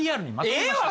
ええわ